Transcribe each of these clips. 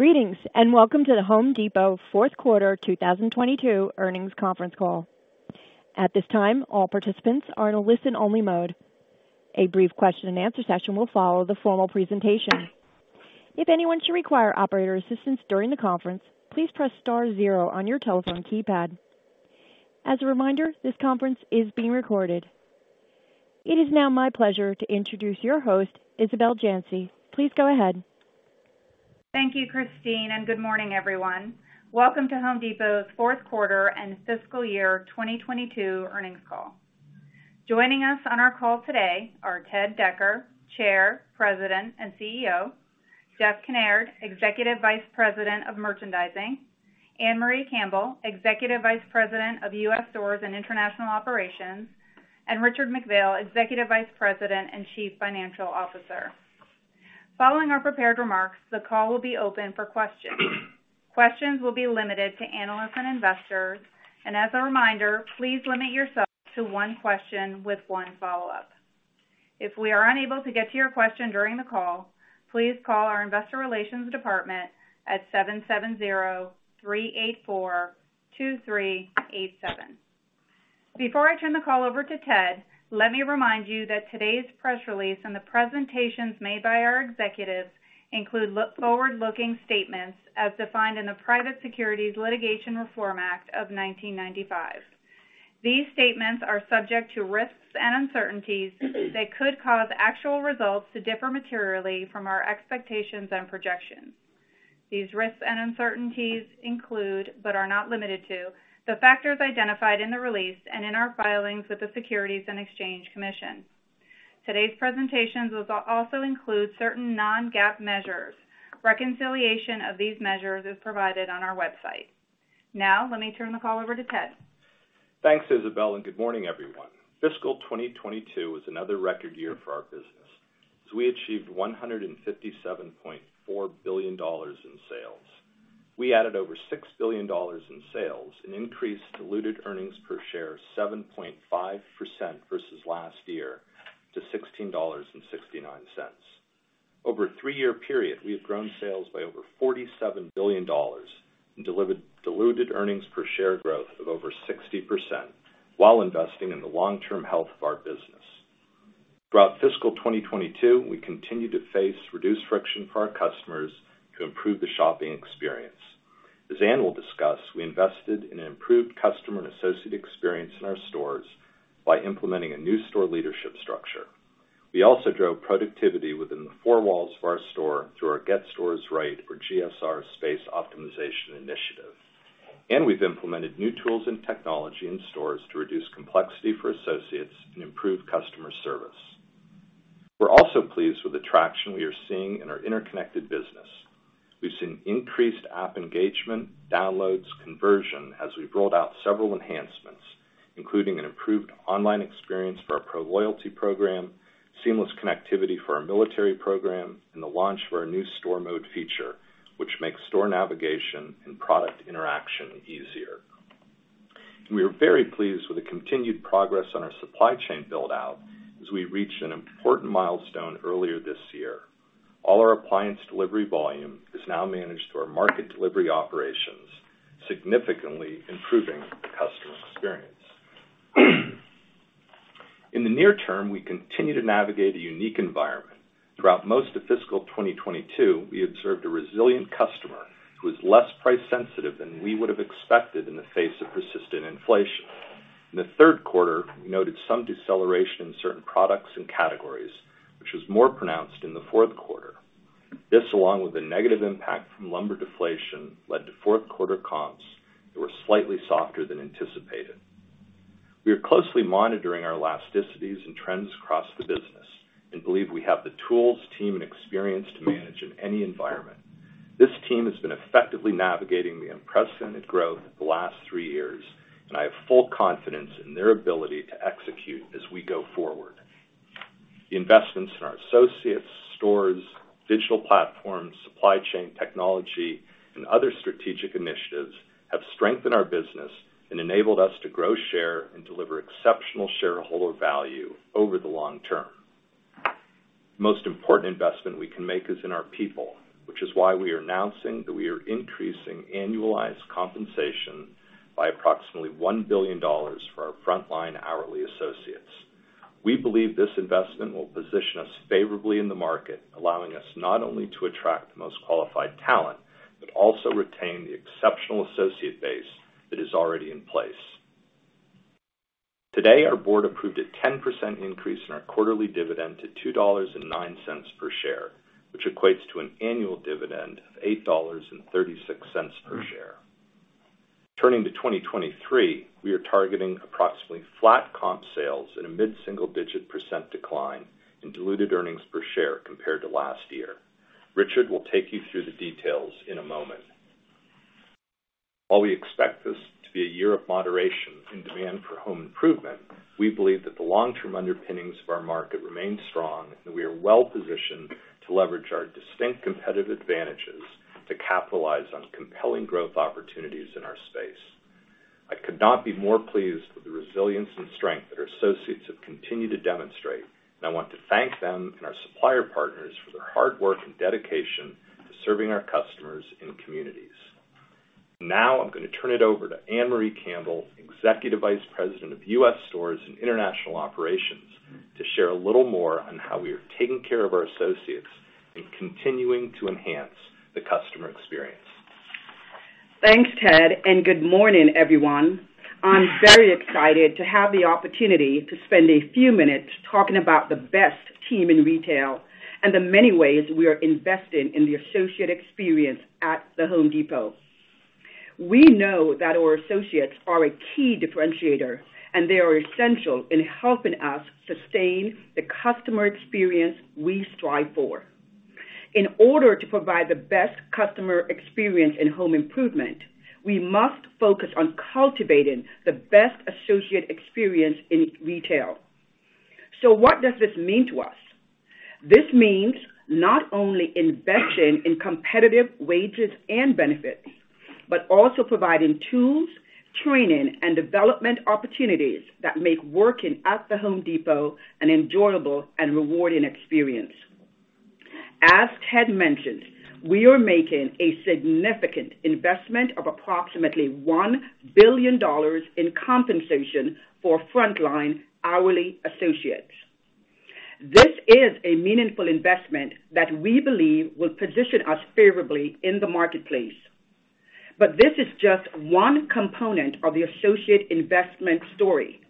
Greetings, and welcome to The Home Depot fourth quarter 2022 earnings conference call. At this time, all participants are in a listen-only mode. A brief question-and-answer session will follow the formal presentation. If anyone should require operator assistance during the conference, please press star zero on your telephone keypadAs a reminder, this conference is being recorded. It is now my pleasure to introduce your host, Isabel Janci. Please go ahead. Thank you, Christine, good morning, everyone. Welcome to The Home Depot's fourth quarter and fiscal year 2022 earnings call. Joining us on our call today are Ted Decker, Chair, President, and CEO, Jeff Kinnaird, Executive Vice President of Merchandising, Ann-Marie Campbell, Executive Vice President of U.S. Stores and International Operations, and Richard McPhail, Executive Vice President and Chief Financial Officer. Following our prepared remarks, the call will be open for questions. Questions will be limited to analysts and investors. As a reminder, please limit yourself to one question with one follow-up. If we are unable to get to your question during the call, please call our Investor Relations Department at 770-384-2387. Before I turn the call over to Ted, let me remind you that today's press release and the presentations made by our executives include forward-looking statements as defined in the Private Securities Litigation Reform Act of 1995. These statements are subject to risks and uncertainties that could cause actual results to differ materially from our expectations and projections. These risks and uncertainties include, but are not limited to, the factors identified in the release and in our filings with the Securities and Exchange Commission. Today's presentations will also include certain non-GAAP measures. Reconciliation of these measures is provided on our website. Let me turn the call over to Ted. Thanks, Isabel, Good morning, everyone. Fiscal 2022 was another record year for our business, as we achieved $157.4 billion in sales. We added over $6 billion in sales and increased diluted earnings per share 7.5% versus last year to $16.69. Over a three-year period, we have grown sales by over $47 billion and delivered diluted earnings per share growth of over 60% while investing in the long-term health of our business. Throughout fiscal 2022, we continued to face reduced friction for our customers to improve the shopping experience. As Anne will discuss, we invested in an improved customer and associate experience in our stores by implementing a new store leadership structure. We also drove productivity within the four walls of our store through our Get Stores Right or GSR space optimization initiative. We've implemented new tools and technology in stores to reduce complexity for associates and improve customer service. We're also pleased with the traction we are seeing in our interconnected business. We've seen increased app engagement, downloads, conversion as we've rolled out several enhancements, including an improved online experience for our Pro loyalty program, seamless connectivity for our military program, and the launch for our new store mode feature, which makes store navigation and product interaction easier. We are very pleased with the continued progress on our supply chain build-out as we reached an important milestone earlier this year. All our appliance delivery volume is now managed through our market delivery operations, significantly improving the customer experience. In the near term, we continue to navigate a unique environment. Throughout most of fiscal 2022, we observed a resilient customer who is less price-sensitive than we would have expected in the face of persistent inflation. In the third quarter, we noted some deceleration in certain products and categories, which was more pronounced in the fourth quarter. This, along with the negative impact from lumber deflation, led to fourth quarter comps that were slightly softer than anticipated. We are closely monitoring our elasticities and trends across the business and believe we have the tools, team, and experience to manage in any environment. This team has been effectively navigating the unprecedented growth of the last three years, I have full confidence in their ability to execute as we go forward. The investments in our associates, stores, digital platforms, supply chain technology, and other strategic initiatives have strengthened our business and enabled us to grow share and deliver exceptional shareholder value over the long term. The most important investment we can make is in our people, which is why we are announcing that we are increasing annualized compensation by approximately $1 billion for our frontline hourly associates. We believe this investment will position us favorably in the market, allowing us not only to attract the most qualified talent, but also retain the exceptional associate base that is already in place. Today, our board approved a 10% increase in our quarterly dividend to $2.09 per share, which equates to an annual dividend of $8.36 per share. Turning to 2023, we are targeting approximately flat comp sales in a mid-single digit % decline in diluted earnings per share compared to last year. Richard will take you through the details in a moment. While we expect this to be a year of moderation in demand for home improvement, we believe that the long-term underpinnings of our market remain strong, and we are well-positioned to leverage our distinct competitive advantages to capitalize on compelling growth opportunities in our space. I could not be more pleased with the resilience and strength that our associates have continued to demonstrate, and I want to thank them and our supplier partners for their hard work and dedication to serving our customers and communities. Now I'm gonna turn it over to Ann-Marie Campbell, Executive Vice President of U.S. Stores and International Operations, to share a little more on how we are taking care of our associates and continuing to enhance the customer experience. Thanks, Ted. Good morning, everyone. I'm very excited to have the opportunity to spend a few minutes talking about the best team in retail and the many ways we are investing in the associate experience at The Home Depot. We know that our associates are a key differentiator, and they are essential in helping us sustain the customer experience we strive for. In order to provide the best customer experience in home improvement, we must focus on cultivating the best associate experience in retail. What does this mean to us? This means not only investing in competitive wages and benefits, but also providing tools, training, and development opportunities that make working at The Home Depot an enjoyable and rewarding experience. As Ted mentioned, we are making a significant investment of approximately $1 billion in compensation for frontline hourly associates. This is a meaningful investment that we believe will position us favorably in the marketplace. This is just one component of the associate investment story.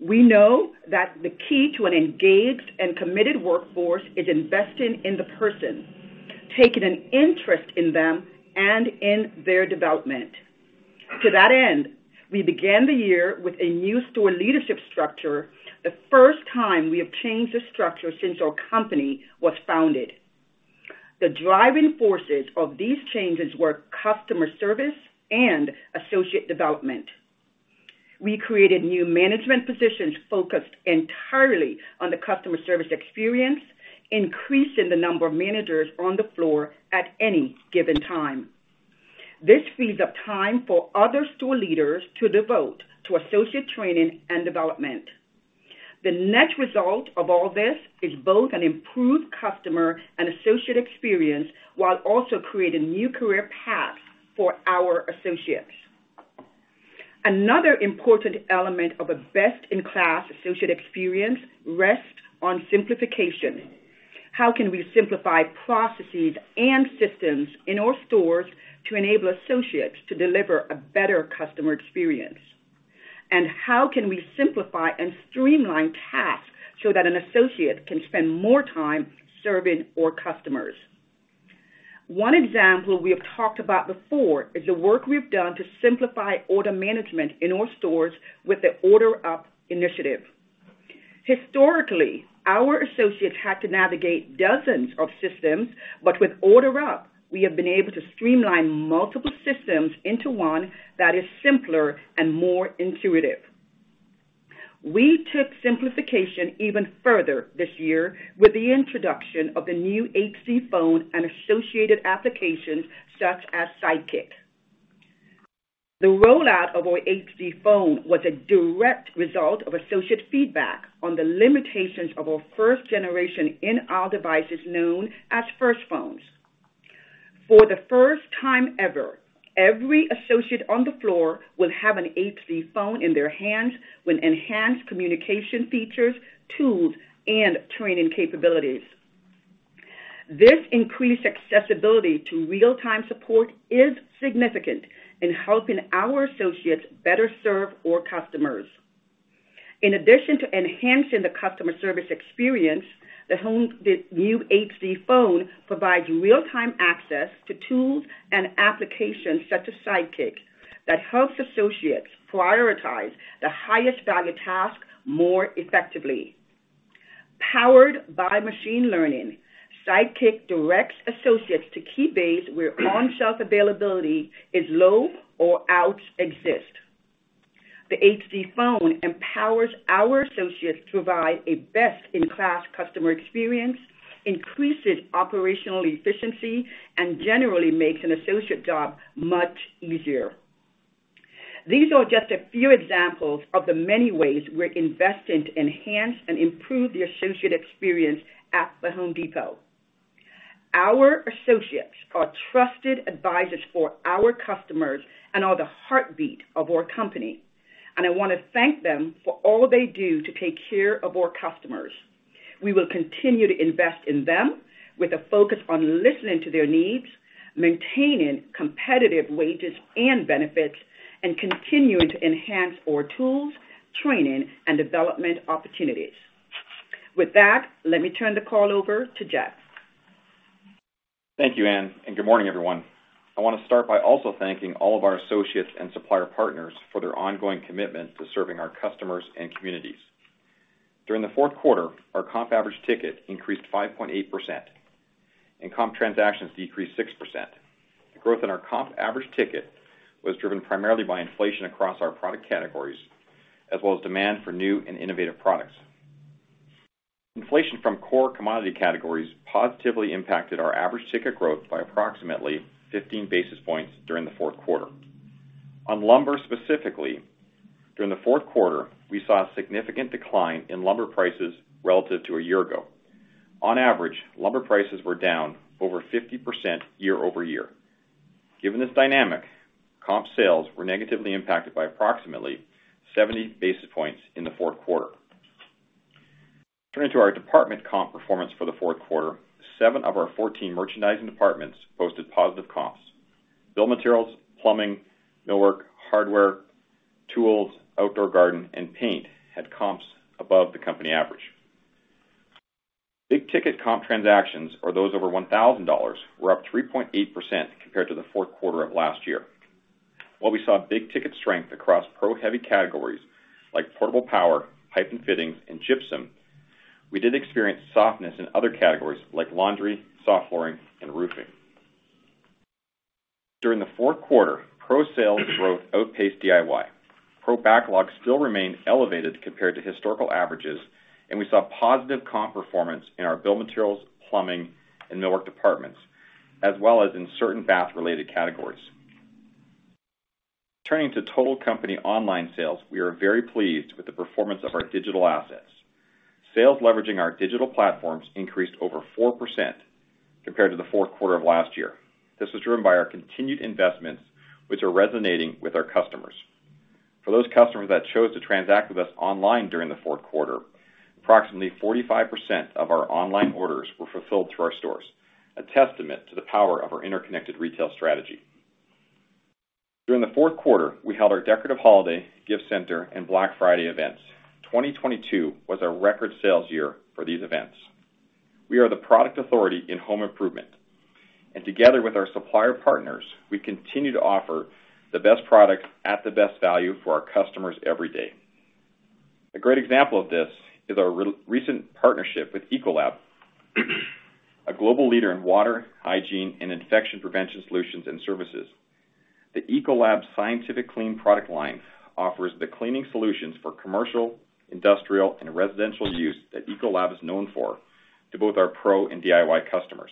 We know that the key to an engaged and committed workforce is investing in the person, taking an interest in them and in their development. To that end, we began the year with a new store leadership structure, the first time we have changed the structure since our company was founded. The driving forces of these changes were customer service and associate development. We created new management positions focused entirely on the customer service experience, increasing the number of managers on the floor at any given time. This frees up time for other store leaders to devote to associate training and development. The net result of all this is both an improved customer and associate experience while also creating new career paths for our associates. Another important element of a best-in-class associate experience rests on simplification. How can we simplify processes and systems in our stores to enable associates to deliver a better customer experience? How can we simplify and streamline tasks so that an associate can spend more time serving our customers? One example we have talked about before is the work we've done to simplify order management in our stores with the Order Up initiative. Historically, our associates had to navigate dozens of systems, but with Order Up, we have been able to streamline multiple systems into one that is simpler and more intuitive. We took simplification even further this year with the introduction of the new hdPhone and associated applications, such as Sidekick. The rollout of our hdPhone was a direct result of associate feedback on the limitations of our first generation in all devices known as First Phones. For the first time ever, every associate on the floor will have an hdPhone in their hands with enhanced communication features, tools, and training capabilities. This increased accessibility to real-time support is significant in helping our associates better serve our customers. In addition to enhancing the customer service experience, the new hdPhone provides real-time access to tools and applications such as Sidekick that helps associates prioritize the highest value task more effectively. Powered by machine learning, Sidekick directs associates to key base where on-shelf availability is low or outs exist. The hdPhone empowers our associates to provide a best-in-class customer experience, increases operational efficiency, and generally makes an associate job much easier. These are just a few examples of the many ways we're investing to enhance and improve the associate experience at The Home Depot. Our associates are trusted advisors for our customers and are the heartbeat of our company. I wanna thank them for all they do to take care of our customers. We will continue to invest in them with a focus on listening to their needs, maintaining competitive wages and benefits, and continuing to enhance our tools, training, and development opportunities. With that, let me turn the call over to Jeff. Thank you, Anne, and good morning, everyone. I wanna start by also thanking all of our associates and supplier partners for their ongoing commitment to serving our customers and communities. During the fourth quarter, our comp average ticket increased 5.8% and comp transactions decreased 6%. The growth in our comp average ticket was driven primarily by inflation across our product categories, as well as demand for new and innovative products. Inflation from core commodity categories positively impacted our average ticket growth by approximately 15 basis points during the fourth quarter. On lumber specifically, during the fourth quarter, we saw a significant decline in lumber prices relative to a year ago. On average, lumber prices were down over 50% year-over-year. Given this dynamic, comp sales were negatively impacted by approximately 70 basis points in the fourth quarter. Turning to our department comp performance for the fourth quarter, 7 of our 14 merchandising departments posted positive comps. Build materials, plumbing, millwork, hardware, tools, outdoor garden, and paint had comps above the company average. Big-ticket comp transactions, or those over $1,000, were up 3.8% compared to the fourth quarter of last year. While we saw big ticket strength across pro heavy categories like portable power, pipe and fittings, and gypsum, we did experience softness in other categories like laundry, soft flooring, and roofing. During the fourth quarter, pro sales growth outpaced DIY. Pro backlogs still remain elevated compared to historical averages, and we saw positive comp performance in our build materials, plumbing, and millwork departments, as well as in certain bath-related categories. Turning to total company online sales, we are very pleased with the performance of our digital assets. Sales leveraging our digital platforms increased over 4% compared to the fourth quarter of last year. This was driven by our continued investments, which are resonating with our customers. For those customers that chose to transact with us online during the fourth quarter, approximately 45% of our online orders were fulfilled through our stores, a testament to the power of our interconnected retail strategy. During the fourth quarter, we held our decorative holiday gift center and Black Friday events. 2022 was our record sales year for these events. We are the product authority in home improvement and together with our supplier partners, we continue to offer the best product at the best value for our customers every day. A great example of this is our recent partnership with Ecolab, a global leader in water, hygiene, and infection prevention solutions and services. The Ecolab Scientific Clean product line offers the cleaning solutions for commercial, industrial, and residential use that Ecolab is known for to both our pro and DIY customers,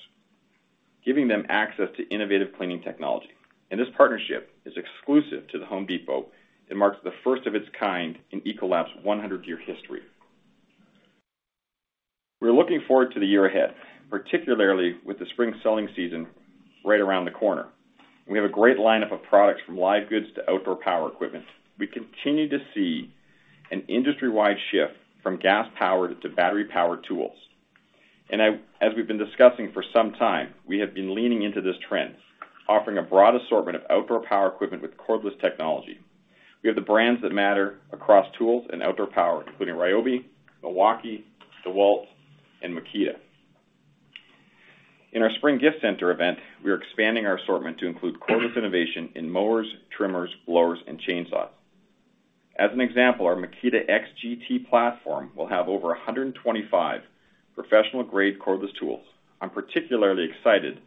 giving them access to innovative cleaning technology. This partnership is exclusive to The Home Depot. It marks the first of its kind in Ecolab's 100-year history. We're looking forward to the year ahead, particularly with the spring selling season right around the corner. We have a great lineup of products from live goods to outdoor power equipment. We continue to see an industry-wide shift from gas-powered to battery-powered tools. As we've been discussing for some time, we have been leaning into this trend, offering a broad assortment of outdoor power equipment with cordless technology. We have the brands that matter across tools and outdoor power, including RYOBI, Milwaukee, DEWALT, and Makita. In our spring gift center event, we are expanding our assortment to include cordless innovation in mowers, trimmers, blowers, and chainsaws. As an example, our Makita XGT platform will have over 125 professional-grade cordless tools. I'm particularly excited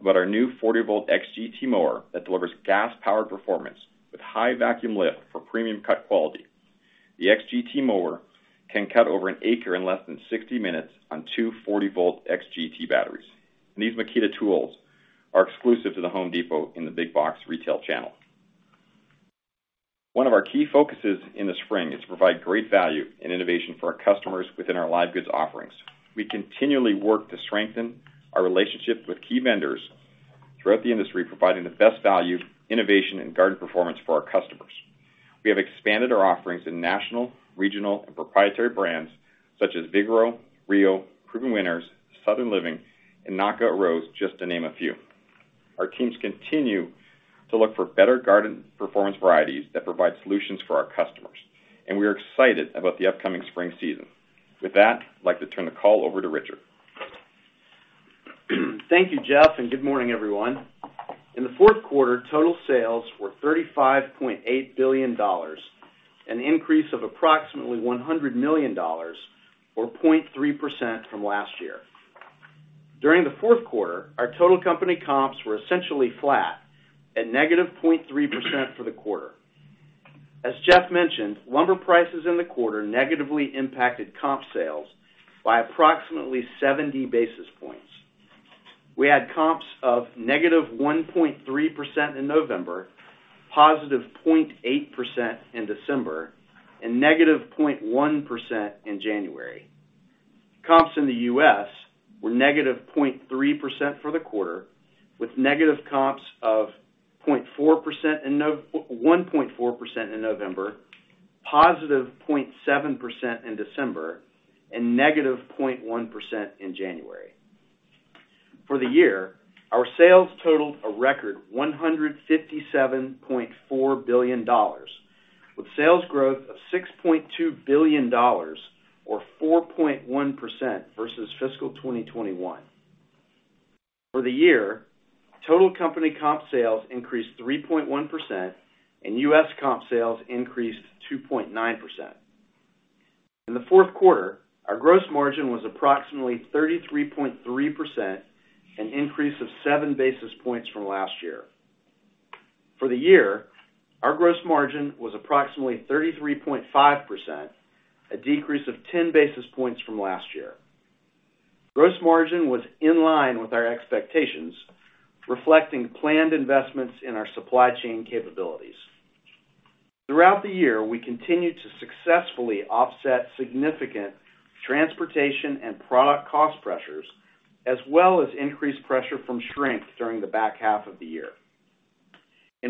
about our new 40-volt XGT mower that delivers gas-powered performance with high vacuum lift for premium cut quality. The XGT mower can cut over an acre in less than 60 minutes on 2 40-volt XGT batteries. These Makita tools are exclusive to The Home Depot in the big box retail channel. One of our key focuses in the spring is to provide great value and innovation for our customers within our live goods offerings. We continually work to strengthen our relationships with key vendors throughout the industry, providing the best value, innovation, and garden performance for our customers. We have expanded our offerings in national, regional, and proprietary brands such as Vigoro, Rio, Proven Winners, Southern Living, and Knock Out Rose, just to name a few. Our teams continue to look for better garden performance varieties that provide solutions for our customers. We are excited about the upcoming spring season. With that, I'd like to turn the call over to Richard. Thank you, Jeff. Good morning, everyone. In the fourth quarter, total sales were $35.8 billion, an increase of approximately $100 million or 0.3% from last year. During the fourth quarter, our total company comps were essentially flat at -0.3% for the quarter. As Jeff mentioned, lumber prices in the quarter negatively impacted comp sales by approximately 70 basis points. We had comps of -1.3% in November, +0.8% in December, and -0.1% in January. Comps in the U.S. were -0.3% for the quarter, with negative comps of 1.4% in November, +0.7% in December, and -0.1% in January. For the year, our sales totaled a record $157.4 billion, with sales growth of $6.2 billion or 4.1% versus fiscal 2021. For the year, total company comp sales increased 3.1%, and U.S. comp sales increased 2.9%. In the fourth quarter, our gross margin was approximately 33.3%, an increase of 7 basis points from last year. For the year, our gross margin was approximately 33.5%, a decrease of 10 basis points from last year. Gross margin was in line with our expectations, reflecting planned investments in our supply chain capabilities. Throughout the year, we continued to successfully offset significant transportation and product cost pressures, as well as increased pressure from shrink during the back half of the year.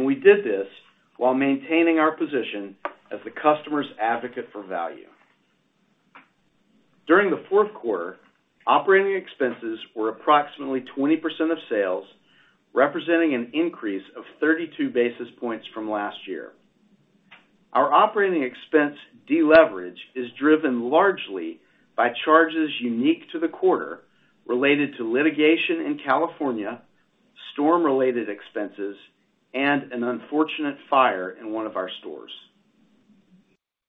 We did this while maintaining our position as the customer's advocate for value. During the fourth quarter, operating expenses were approximately 20% of sales, representing an increase of 32 basis points from last year. Our operating expense deleverage is driven largely by charges unique to the quarter related to litigation in California, storm-related expenses, and an unfortunate fire in one of our stores.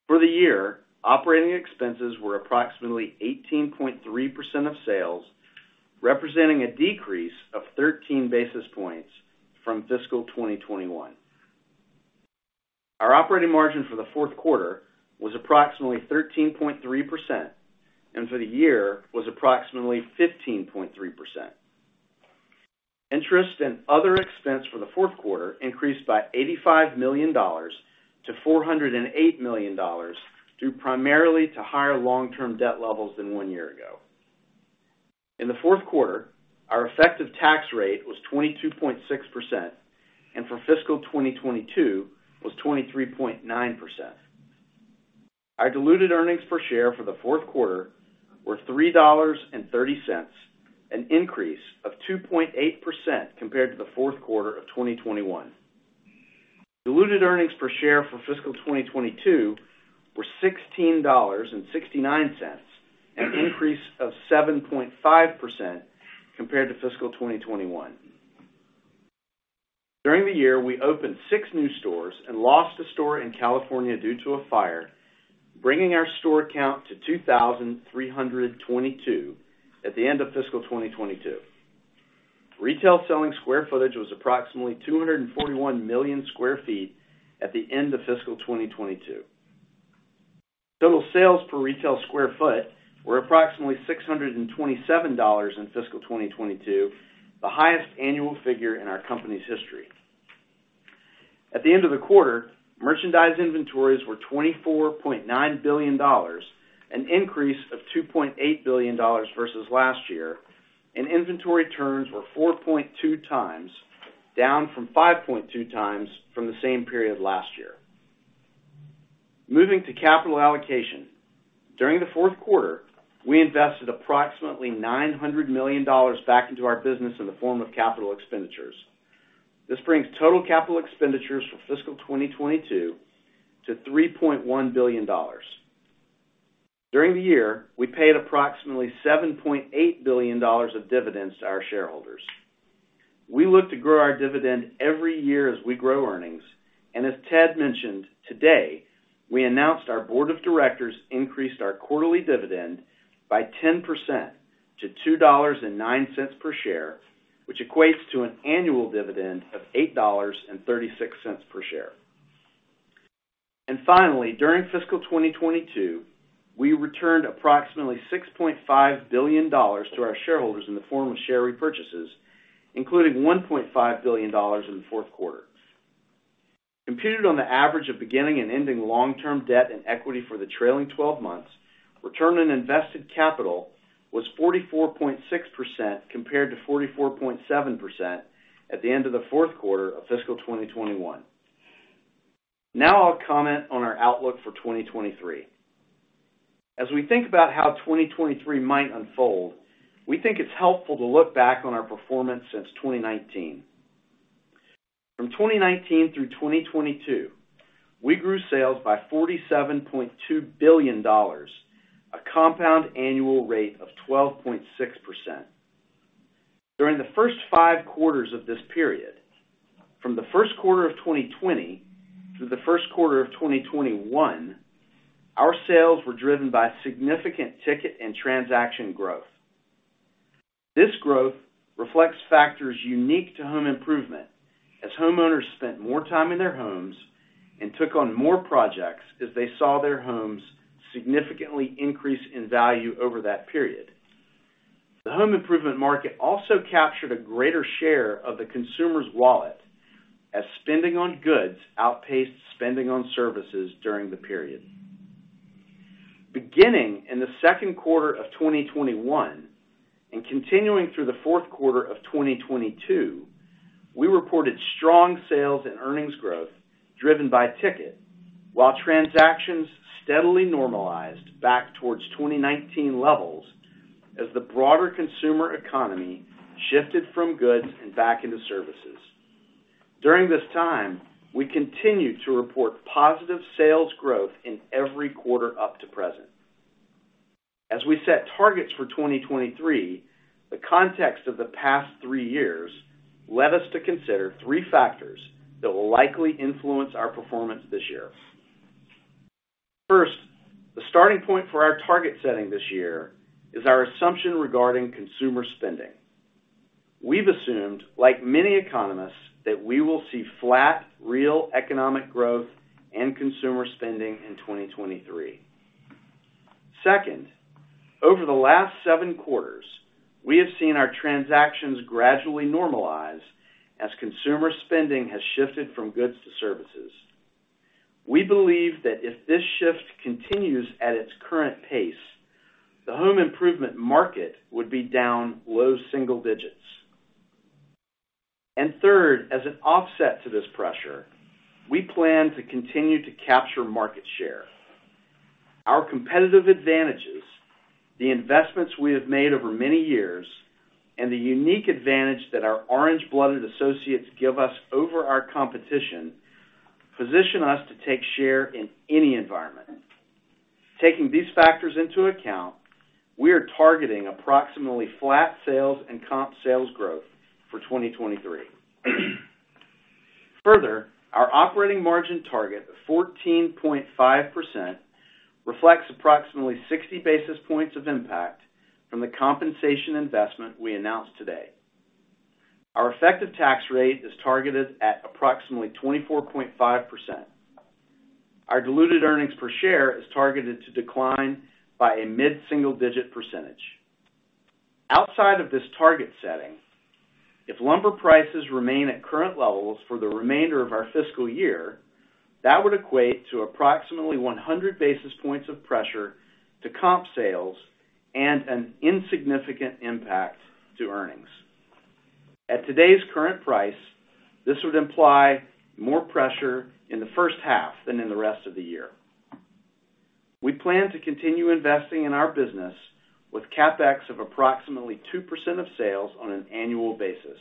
For the year, operating expenses were approximately 18.3% of sales, representing a decrease of 13 basis points from fiscal 2021. Our operating margin for the fourth quarter was approximately 13.3%, and for the year was approximately 15.3%. Interest and other expense for the fourth quarter increased by $85 million to $408 million, due primarily to higher long-term debt levels than one year ago. In the fourth quarter, our effective tax rate was 22.6%, and for fiscal 2022 was 23.9%. Our diluted earnings per share for the fourth quarter were $3.30, an increase of 2.8% compared to the fourth quarter of 2021. Diluted earnings per share for fiscal 2022 were $16.69, an increase of 7.5% compared to fiscal 2021. During the year, we opened six new stores and lost a store in California due to a fire, bringing our store count to 2,322 at the end of fiscal 2022. Retail selling square footage was approximately 241 million sq ft at the end of fiscal 2022. Total sales per retail square foot were approximately $627 in fiscal 2022, the highest annual figure in our company's history. At the end of the quarter, merchandise inventories were $24.9 billion, an increase of $2.8 billion versus last year, and inventory turns were 4.2 times, down from 5.2 times from the same period last year. Moving to capital allocation. During the fourth quarter, we invested approximately $900 million back into our business in the form of CapEx. This brings total CapEx for fiscal 2022 to $3.1 billion. During the year, we paid approximately $7.8 billion of dividends to our shareholders. We look to grow our dividend every year as we grow earnings. As Ted mentioned today, we announced our board of directors increased our quarterly dividend by 10% to $2.09 per share, which equates to an annual dividend of $8.36 per share. Finally, during fiscal 2022, we returned approximately $6.5 billion to our shareholders in the form of share repurchases, including $1.5 billion in the fourth quarter. Computed on the average of beginning and ending long-term debt and equity for the trailing 12 months, Return on Invested Capital was 44.6% compared to 44.7% at the end of the fourth quarter of fiscal 2021. I'll comment on our outlook for 2023. As we think about how 2023 might unfold, we think it's helpful to look back on our performance since 2019. From 2019 through 2022, we grew sales by $47.2 billion, a compound annual rate of 12.6%. During the first five quarters of this period, from the first quarter of 2020 through the first quarter of 2021, our sales were driven by significant ticket and transaction growth. This growth reflects factors unique to home improvement as homeowners spent more time in their homes and took on more projects as they saw their homes significantly increase in value over that period. The home improvement market also captured a greater share of the consumer's wallet as spending on goods outpaced spending on services during the period. Beginning in the second quarter of 2021 and continuing through the fourth quarter of 2022, we reported strong sales and earnings growth driven by ticket, while transactions steadily normalized back towards 2019 levels as the broader consumer economy shifted from goods and back into services. During this time, we continued to report positive sales growth in every quarter up to present. As we set targets for 2023, the context of the past 3 years led us to consider 3 factors that will likely influence our performance this year. Point for our target setting this year is our assumption regarding consumer spending. We've assumed, like many economists, that we will see flat real economic growth and consumer spending in 2023. Second, over the last 7 quarters, we have seen our transactions gradually normalize as consumer spending has shifted from goods to services. We believe that if this shift continues at its current pace, the home improvement market would be down low single digits. Third, as an offset to this pressure, we plan to continue to capture market share. Our competitive advantages, the investments we have made over many years, and the unique advantage that our orange-blooded associates give us over our competition position us to take share in any environment. Taking these factors into account, we are targeting approximately flat sales and comp sales growth for 2023. Our operating margin target of 14.5% reflects approximately 60 basis points of impact from the compensation investment we announced today. Our effective tax rate is targeted at approximately 24.5%. Our diluted earnings per share is targeted to decline by a mid-single digit percentage. Outside of this target setting, if lumber prices remain at current levels for the remainder of our fiscal year, that would equate to approximately 100 basis points of pressure to comp sales and an insignificant impact to earnings. At today's current price, this would imply more pressure in the first half than in the rest of the year. We plan to continue investing in our business with CapEx of approximately 2% of sales on an annual basis.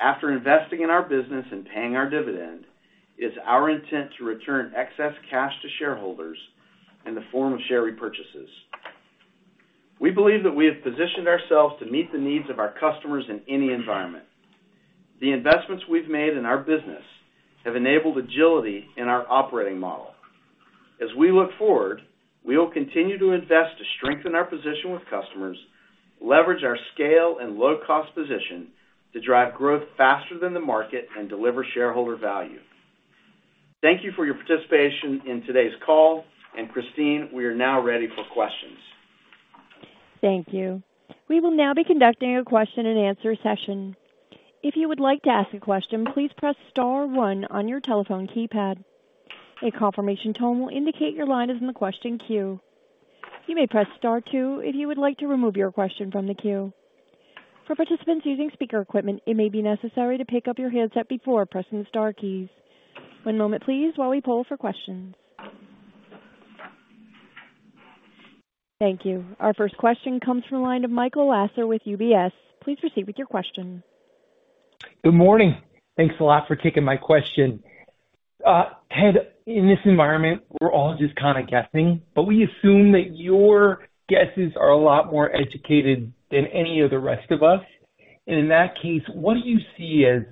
After investing in our business and paying our dividend, it is our intent to return excess cash to shareholders in the form of share repurchases. We believe that we have positioned ourselves to meet the needs of our customers in any environment. The investments we've made in our business have enabled agility in our operating model. As we look forward, we will continue to invest to strengthen our position with customers, leverage our scale and low-cost position to drive growth faster than the market and deliver shareholder value. Thank you for your participation in today's call. Christine, we are now ready for questions. Thank you. We will now be conducting a question-and-answer session. If you would like to ask a question, please press star one on your telephone keypad. A confirmation tone will indicate your line is in the question queue. You may press star two if you would like to remove your question from the queue. For participants using speaker equipment, it may be necessary to pick up your headset before pressing the star keys. One moment please while we poll for questions. Thank you. Our first question comes from the line of Michael Lasser with UBS. Please proceed with your question. Good morning. Thanks a lot for taking my question. Ted, in this environment, we're all just kinda guessing, but we assume that your guesses are a lot more educated than any of the rest of us. In that case, what do you see as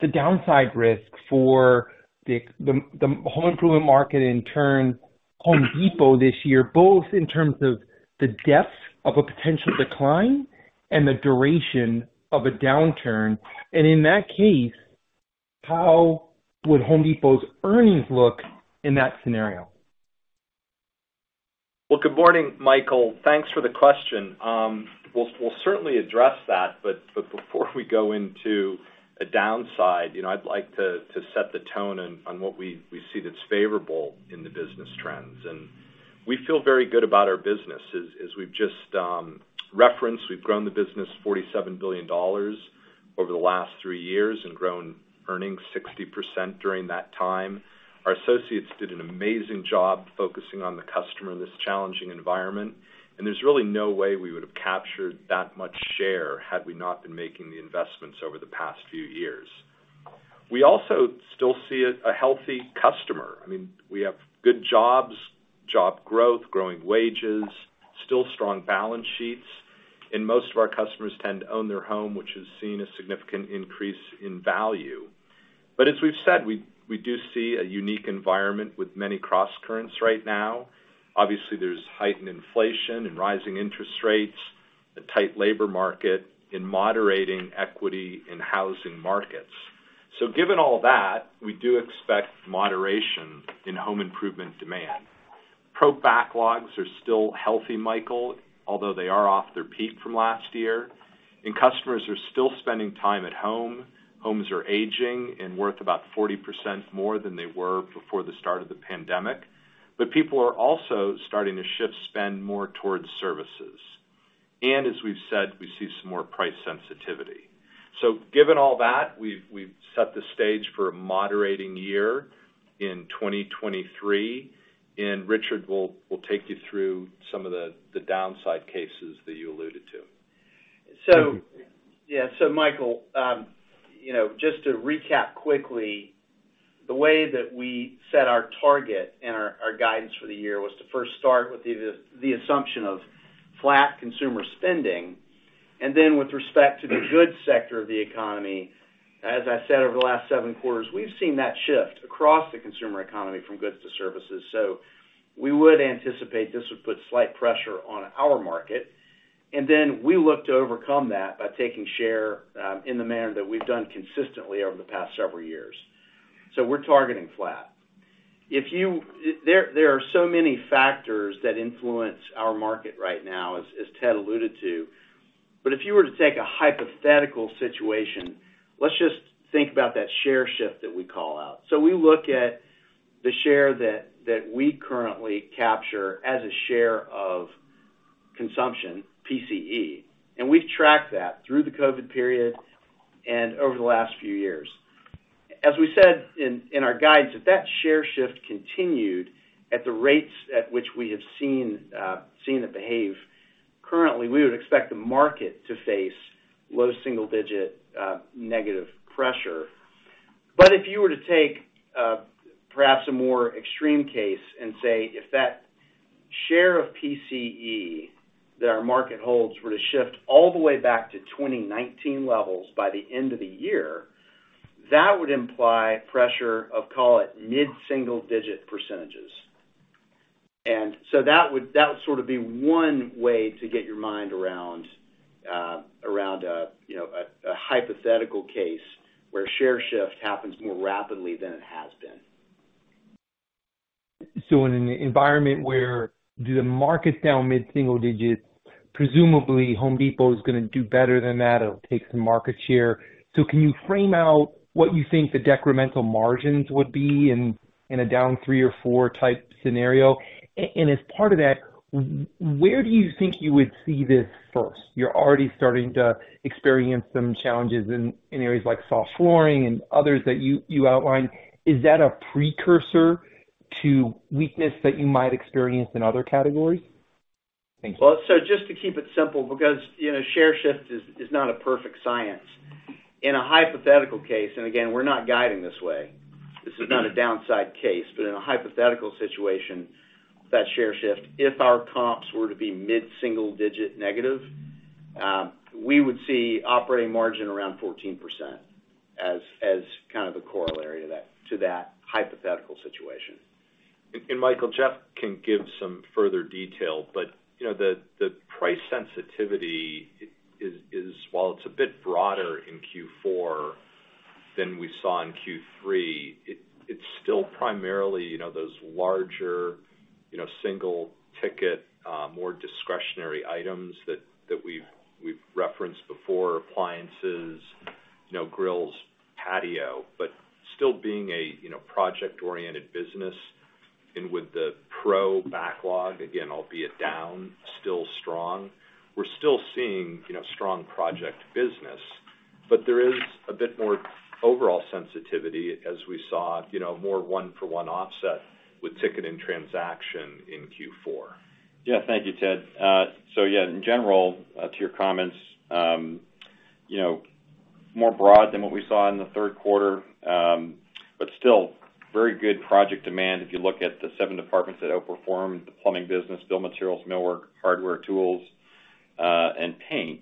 the downside risk for the home improvement market and turn The Home Depot this year, both in terms of the depth of a potential decline and the duration of a downturn? In that case, how would The Home Depot's earnings look in that scenario? Well, good morning, Michael. Thanks for the question. we'll certainly address that, but before we go into a downside, you know, I'd like to set the tone on what we see that's favorable in the business trends. We feel very good about our business. As we've just referenced, we've grown the business $47 billion over the last three years and grown earnings 60% during that time. Our associates did an amazing job focusing on the customer in this challenging environment, and there's really no way we would have captured that much share had we not been making the investments over the past few years. We also still see a healthy customer. I mean, we have good jobs, job growth, growing wages, still strong balance sheets, and most of our customers tend to own their home, which has seen a significant increase in value. As we've said, we do see a unique environment with many crosscurrents right now. Obviously, there's heightened inflation and rising interest rates, a tight labor market, and moderating equity in housing markets. Given all that, we do expect moderation in home improvement demand. Pro backlogs are still healthy, Michael, although they are off their peak from last year. Customers are still spending time at home. Homes are aging and worth about 40% more than they were before the start of the pandemic. People are also starting to shift spend more towards services. As we've said, we see some more price sensitivity. Given all that, we've set the stage for a moderating year in 2023. Richard will take you through some of the downside cases that you alluded to. Yeah. Michael, you know, just to recap quickly, the way that we set our target and our guidance for the year was to first start with the assumption of flat consumer spending. Then with respect to the goods sector of the economy, as I said, over the last 7 quarters, we've seen that shift across the consumer economy from goods to services. We would anticipate this would put slight pressure on our market, and then we look to overcome that by taking share in the manner that we've done consistently over the past several years. We're targeting flat. There are so many factors that influence our market right now, as Ted alluded to, but if you were to take a hypothetical situation, let's just think about that share shift that we call out. We look at the share that we currently capture as a share of consumption, PCE, and we've tracked that through the COVID period and over the last few years. As we said in our guides, if that share shift continued at the rates at which we have seen it behave currently, we would expect the market to face low single digit negative pressure. If you were to take, perhaps a more extreme case and say, if that share of PCE that our market holds were to shift all the way back to 2019 levels by the end of the year, that would imply pressure of, call it, mid-single digit %. That would sort of be one way to get your mind around a, you know, a hypothetical case where share shift happens more rapidly than it has been. In an environment where the market's down mid-single digits, presumably The Home Depot is gonna do better than that. It'll take some market share. Can you frame out what you think the decremental margins would be in a down 3 or 4 type scenario? And as part of that, where do you think you would see this first? You're already starting to experience some challenges in areas like soft flooring and others that you outlined. Is that a precursor to weakness that you might experience in other categories? Thanks. Just to keep it simple, because, you know, share shift is not a perfect science. In a hypothetical case, and again, we're not guiding this way, this is not a downside case, but in a hypothetical situation, that share shift, if our comps were to be mid-single-digit negative, we would see operating margin around 14% as kind of the corollary to that hypothetical situation. Michael, Jeff can give some further detail, but, you know, the price sensitivity is while it's a bit broader in Q4 than we saw in Q3, it's still primarily, you know, those larger, you know, single ticket, more discretionary items that we've referenced before, appliances, you know, grills, patio. Still being a, you know, project-oriented business and with the pro backlog, again, albeit down, still strong. We're still seeing, you know, strong project business, but there is a bit more overall sensitivity as we saw, you know, more one-for-one offset with ticket and transaction in Q4. Yeah. Thank you, Ted. Yeah, in general, to your comments, you know, more broad than what we saw in the third quarter, still very good project demand. If you look at the seven departments that outperformed the plumbing business, build materials, millwork, hardware, tools, and paint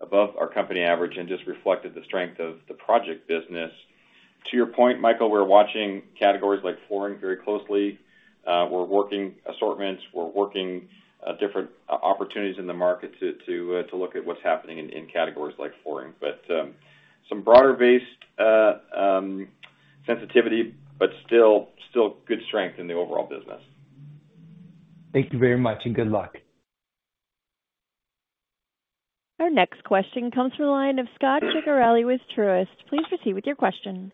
above our company average and just reflected the strength of the project business. To your point, Michael, we're watching categories like flooring very closely. We're working assortments, we're working different opportunities in the market to look at what's happening in categories like flooring. Some broader-based sensitivity, still good strength in the overall business. Thank you very much and good luck. Our next question comes from the line of Scot Ciccarelli with Truist. Please proceed with your question.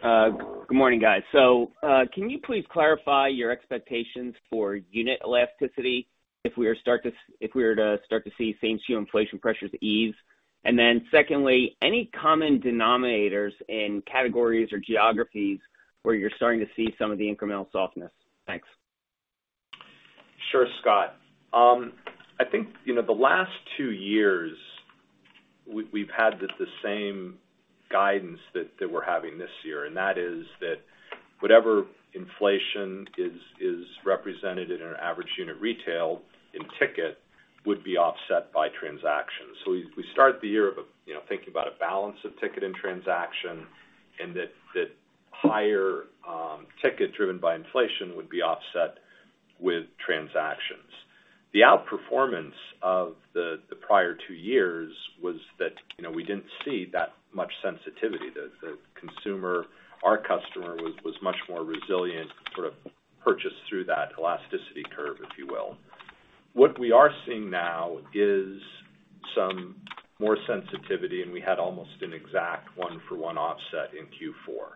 Good morning, guys. Can you please clarify your expectations for unit elasticity if we were to start to see same few inflation pressures ease? Secondly, any common denominators in categories or geographies where you're starting to see some of the incremental softness? Thanks. Sure, Scot. I think, you know, the last 2 years, we've had the same guidance that we're having this year, and that is that whatever inflation is represented in an average unit retail in ticket would be offset by transactions. We start the year of, you know, thinking about a balance of ticket and transaction, and that higher ticket driven by inflation would be offset with transactions. The outperformance of the prior 2 years was that, you know, we didn't see that much sensitivity. The consumer, our customer was much more resilient, sort of purchased through that elasticity curve, if you will. What we are seeing now is some more sensitivity, and we had almost an exact 1-for-1 offset in Q4.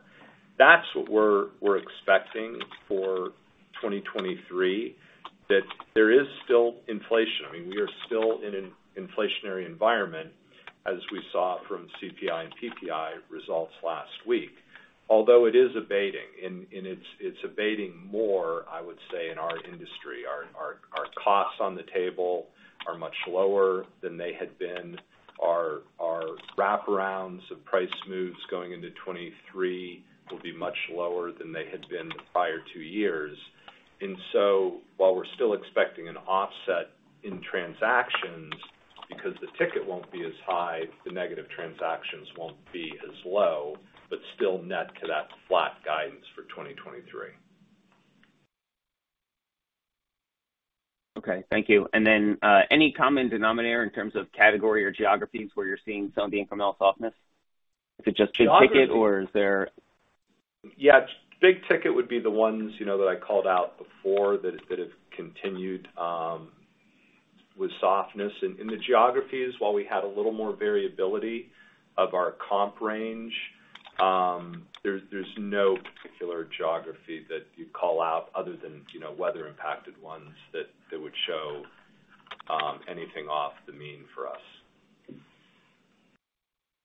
That's what we're expecting for 2023, that there is still inflation. I mean, we are still in an inflationary environment, as we saw from CPI and PPI results last week. Although it is abating, and it's abating more, I would say, in our industry. Our costs on the table are much lower than they had been. Wrap arounds of price moves going into 2023 will be much lower than they had been the prior 2 years. While we're still expecting an offset in transactions, because the ticket won't be as high, the negative transactions won't be as low, but still net to that flat guidance for 2023. Okay. Thank you. Any common denominator in terms of category or geographies where you're seeing some of the incremental softness? If it just big ticket? Yeah. Big ticket would be the ones, you know, that I called out before that have continued with softness. In the geographies, while we had a little more variability of our comp range, there's no particular geography that you'd call out other than, you know, weather impacted ones that would show anything off the mean for us.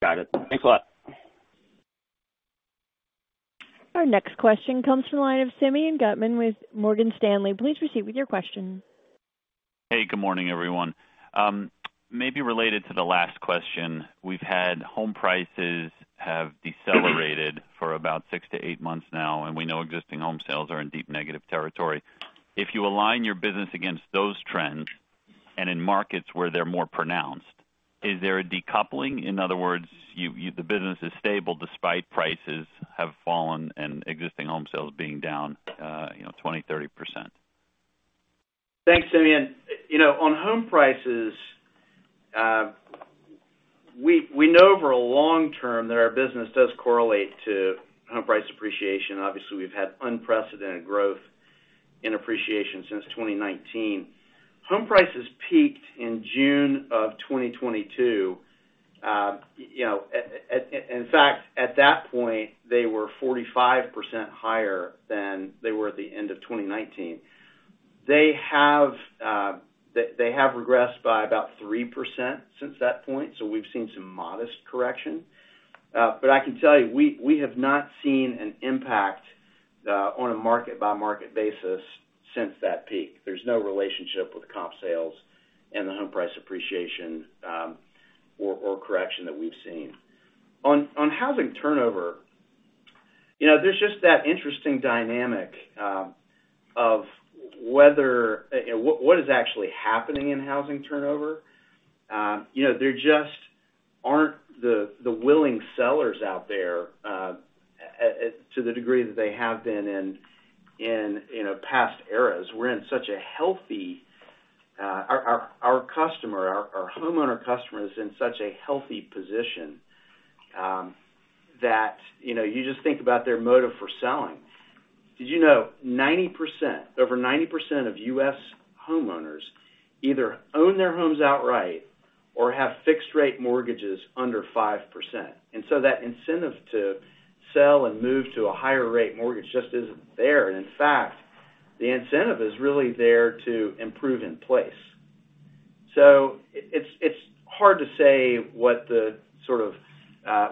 Got it. Thanks a lot. Our next question comes from the line of Simeon Gutman with Morgan Stanley. Please proceed with your question. Hey, good morning, everyone. Maybe related to the last question, we've had home prices have decelerated for about six to eight months now, and we know existing home sales are in deep negative territory. If you align your business against those trends and in markets where they're more pronounced, is there a decoupling? In other words, you the business is stable despite prices have fallen and existing home sales being down, you know, 20%, 30%. Thanks, Simeon. You know, on home prices, we know over a long term that our business does correlate to home price appreciation. Obviously, we've had unprecedented growth in appreciation since 2019. Home prices peaked in June of 2022. You know, in fact, at that point, they were 45% higher than they were at the end of 2019. They have regressed by about 3% since that point, so we've seen some modest correction. But I can tell you, we have not seen an impact on a market-by-market basis since that peak. There's no relationship with comp sales and the home price appreciation, or correction that we've seen. On housing turnover, you know, there's just that interesting dynamic of whether... What is actually happening in housing turnover. You know, there just aren't the willing sellers out there to the degree that they have been in, you know, past eras. Our customer, our homeowner customer is in such a healthy position, that, you know, you just think about their motive for selling. Did you know over 90% of U.S. homeowners either own their homes outright or have fixed rate mortgages under 5%? That incentive to sell and move to a higher rate mortgage just isn't there. In fact, the incentive is really there to improve in place. It's hard to say what the sort of,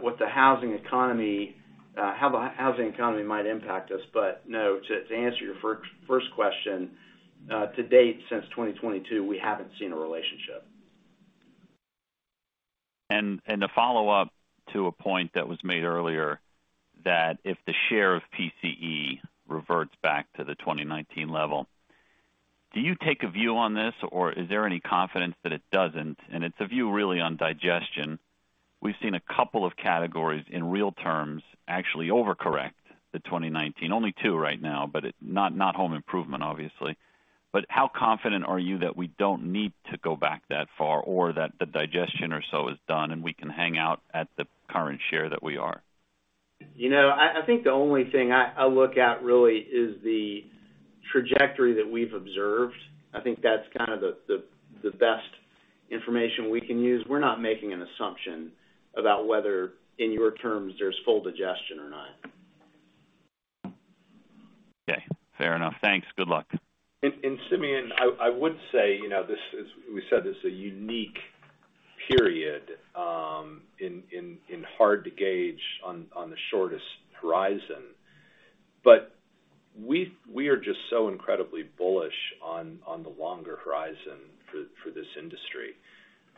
what the housing economy, how the housing economy might impact us. No, to answer your first question, to date, since 2022, we haven't seen a relationship. To follow up to a point that was made earlier that if the share of PCE reverts back to the 2019 level, do you take a view on this, or is there any confidence that it doesn't? It's a view really on digestion. We've seen a couple of categories in real terms actually overcorrect to 2019. Only two right now, but not home improvement, obviously. How confident are you that we don't need to go back that far or that the digestion or so is done and we can hang out at the current share that we are? You know, I think the only thing I look at really is the trajectory that we've observed. I think that's kind of the best information we can use. We're not making an assumption about whether, in your terms, there's full digestion or not. Okay, fair enough. Thanks. Good luck. Simeon, I would say, you know, we said this is a unique period, and hard to gauge on the shortest horizon. We are just so incredibly bullish on the longer horizon for this industry.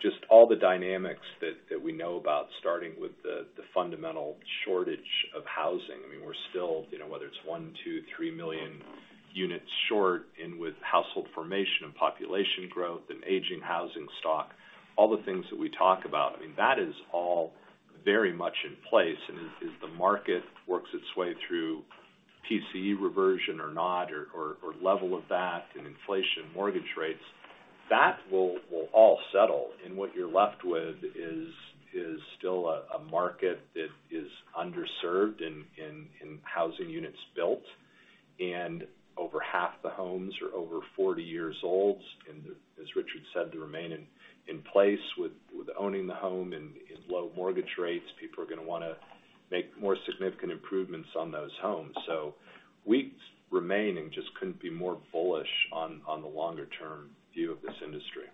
Just all the dynamics that we know about, starting with the fundamental shortage of housing. I mean, we're still, you know, whether it's 1, 2, 3 million units short, and with household formation and population growth and aging housing stock, all the things that we talk about, I mean, that is all very much in place. As the market works its way through PCE reversion or not or level of that and inflation mortgage rates, that will all settle. What you're left with is still a market that is underserved in housing units built. Over half the homes are over 40 years old. As Richard said, the remaining in place with owning the home and low mortgage rates, people are gonna wanna make more significant improvements on those homes. We remain and just couldn't be more bullish on the longer term view of this industry.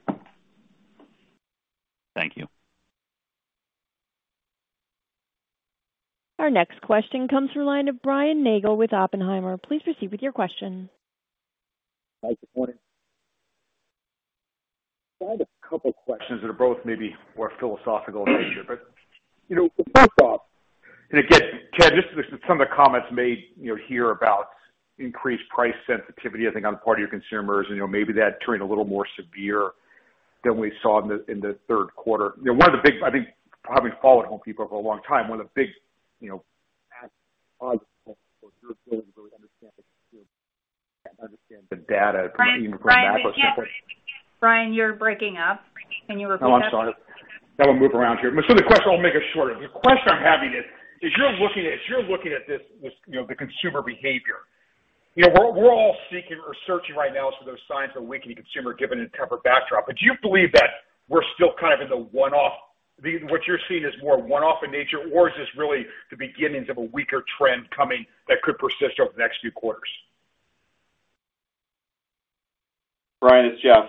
Thank you. Our next question comes from line of Brian Nagel with Oppenheimer. Please proceed with your question. Hi, good morning. I have a couple questions that are both maybe more philosophical in nature, you know, first off, Ted, just some of the comments made, you know, here about increased price sensitivity, I think on the part of your consumers, and, you know, maybe that turned a little more severe than we saw in the third quarter. You know, I think having followed The Home Depot for a long time, one of the big, you know. Brian, you're breaking up. Can you repeat that? Oh, I'm sorry. I gotta move around here. The question, I'll make it shorter. The question I'm having is, as you're looking at this, you know, the consumer behavior. You know, we're all seeking or searching right now for those signs of weakening consumer given a tougher backdrop. Do you believe that we're still kind of in the one-off, what you're seeing is more one-off in nature, or is this really the beginnings of a weaker trend coming that could persist over the next few quarters? Brian, it's Jeff.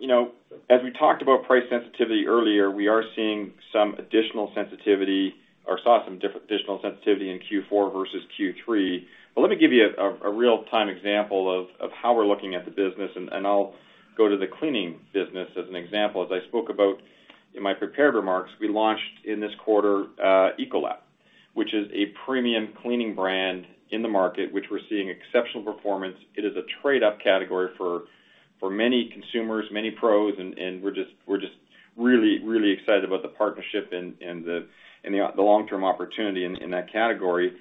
You know, as we talked about price sensitivity earlier, we are seeing some additional sensitivity or saw some additional sensitivity in Q4 versus Q3. Let me give you a real-time example of how we're looking at the business, and I'll go to the cleaning business as an example. I spoke about in my prepared remarks, we launched in this quarter, Ecolab, which is a premium cleaning brand in the market, which we're seeing exceptional performance. It is a trade-up category for many consumers, many pros, and we're just really, really excited about the partnership and the long-term opportunity in that category.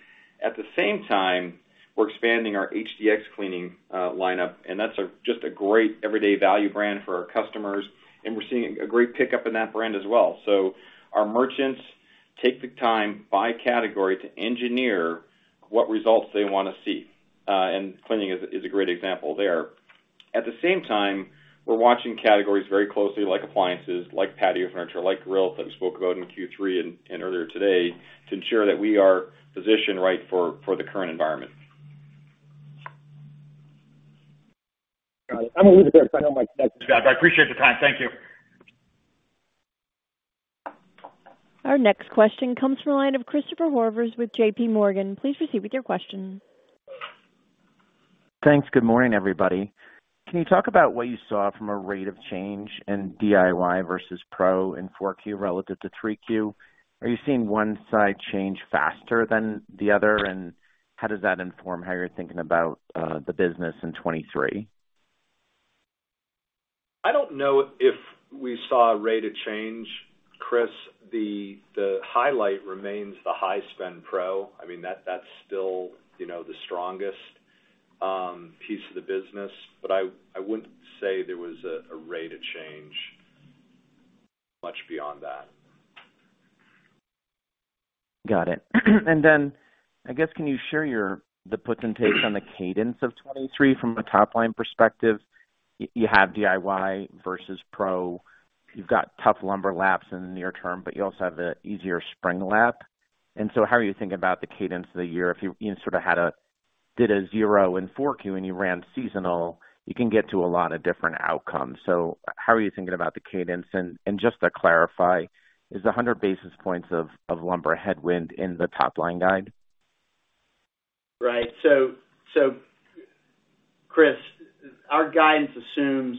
At the same time, we're expanding our HDX cleaning lineup. That's a just a great everyday value brand for our customers. We're seeing a great pickup in that brand as well. Our merchants take the time by category to engineer what results they wanna see, and cleaning is a great example there. At the same time, we're watching categories very closely, like appliances, like patio furniture, like grills that we spoke about in Q3 and earlier today, to ensure that we are positioned right for the current environment. Got it. I'm gonna leave it there. I know my Jeff, I appreciate the time. Thank you. Our next question comes from the line of Christopher Horvers with JPMorgan. Please proceed with your question. Thanks. Good morning, everybody. Can you talk about what you saw from a rate of change in DIY versus pro in 4Q relative to 3Q? Are you seeing one side change faster than the other? How does that inform how you're thinking about the business in 2023? I don't know if we saw a rate of change, Chris. The highlight remains the high spend pro. I mean, that's still, you know, the strongest piece of the business. I wouldn't say there was a rate of change much beyond that. Got it. I guess, can you share the puts and takes on the cadence of 23 from a top line perspective? You have DIY versus pro. You've got tough lumber laps in the near term, but you also have the easier spring lap. How are you thinking about the cadence of the year? If you sort of had a did a zero in 4Q and you ran seasonal, you can get to a lot of different outcomes. How are you thinking about the cadence? Just to clarify, is the 100 basis points of lumber headwind in the top line guide? Right. Chris, our guidance assumes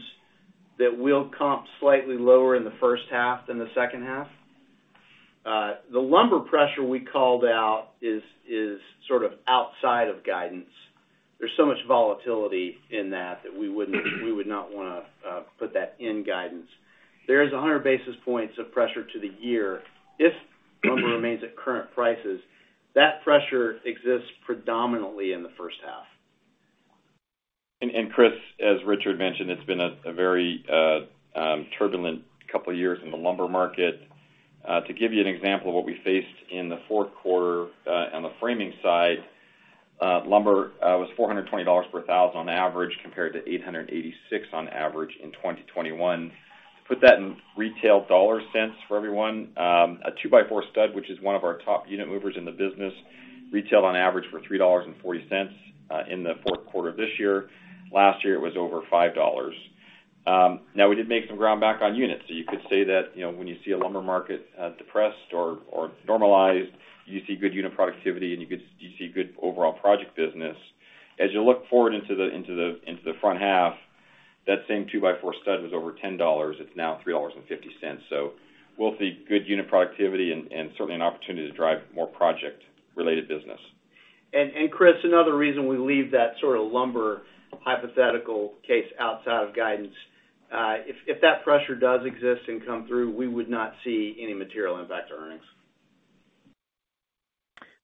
that we'll comp slightly lower in the first half than the second half. The lumber pressure we called out is sort of outside of guidance. There's so much volatility in that that We would not wanna put that in guidance. There is 100 basis points of pressure to the year. If lumber remains at current prices, that pressure exists predominantly in the first half. Chris, as Richard mentioned, it's been a very turbulent couple of years in the lumber market. To give you an example of what we faced in the fourth quarter, on the framing side, lumber was $420 per thousand on average compared to 886 on average in 2021. To put that in retail dollar sense for everyone, a two-by-four stud, which is one of our top unit movers in the business, retailed on average for $3.40 in the fourth quarter of this year. Last year, it was over $5. We did make some ground back on units. You could say that, you know, when you see a lumber market depressed or normalized, you see good unit productivity and you see good overall project business. As you look forward into the front half, that same two-by-four stud was over $10. It's now $3.50. We'll see good unit productivity and certainly an opportunity to drive more project-related business. Chris, another reason we leave that sort of lumber hypothetical case outside of guidance, if that pressure does exist and come through, we would not see any material impact to earnings.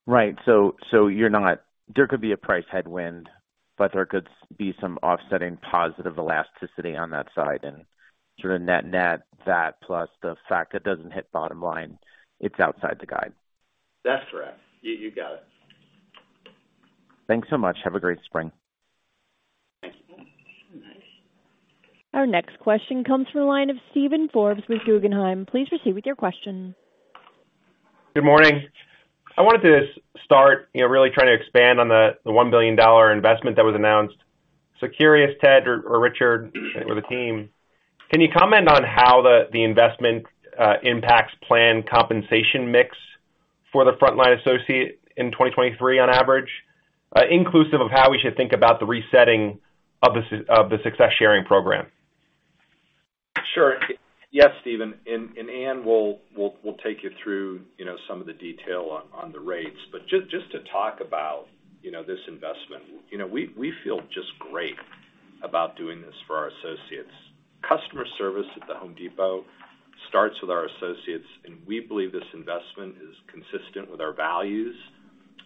Right. You're not. There could be a price headwind, but there could be some offsetting positive elasticity on that side and sort of net that plus the fact that doesn't hit bottom line, it's outside the guide. That's correct. You got it. Thanks so much. Have a great spring. Our next question comes from the line of Steven Forbes with Guggenheim. Please proceed with your question. Good morning. I wanted to just start, you know, really trying to expand on the $1 billion investment that was announced. Curious, Ted or Richard or the team? Can you comment on how the investment impacts planned compensation mix for the frontline associate in 2023 on average, inclusive of how we should think about the resetting of the Success Sharing program? Sure. Yes, Steven, and Ann-Marie will take you through, you know, some of the detail on the rates. Just to talk about, you know, this investment, you know, we feel just great about doing this for our associates. Customer service at The Home Depot starts with our associates, and we believe this investment is consistent with our values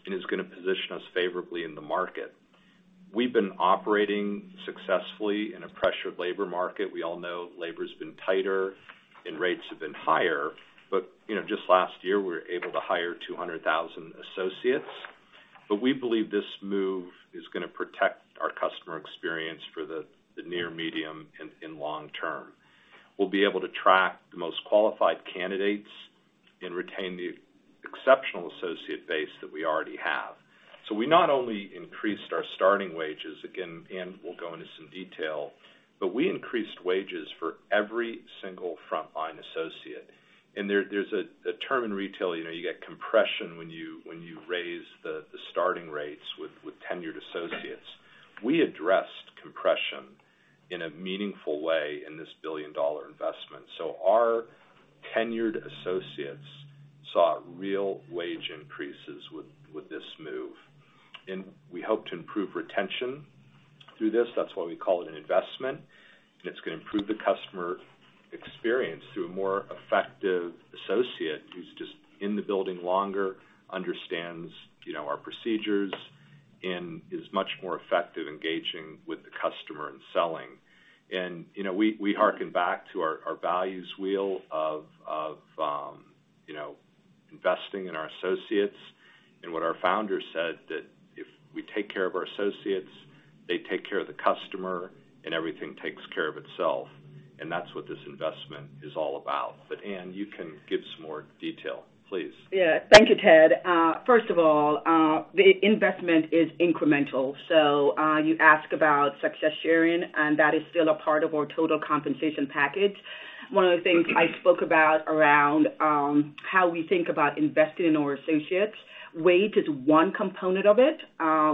and is gonna position us favorably in the market. We've been operating successfully in a pressured labor market. We all know labor's been tighter and rates have been higher. You know, just last year, we were able to hire 200,000 associates. We believe this move is gonna protect our customer experience for the near, medium, and long term. We'll be able to track the most qualified candidates and retain the exceptional associate base that we already have. We not only increased our starting wages, again, Anne will go into some detail, but we increased wages for every single frontline associate. There's a term in retail, you know, you get compression when you raise the starting rates with tenured associates. We addressed compression in a meaningful way in this billion-dollar investment. Our tenured associates saw real wage increases with this move. We hope to improve retention through this. That's why we call it an investment. It's gonna improve the customer experience through a more effective associate who's just in the building longer, understands, you know, our procedures and is much more effective engaging with the customer and selling. You know, we harken back to our values wheel of, you know, investing in our associates and what our founders said that if we take care of our associates, they take care of the customer, and everything takes care of itself. That's what this investment is all about. Anne, you can give some more detail, please. Yeah. Thank you, Ted. First of all, the investment is incremental. You ask about Success Sharing, and that is still a part of our total compensation package. One of the things I spoke about around, how we think about investing in our associates, wage is one component of it.